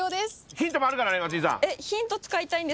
ヒントもあるからね松井さん。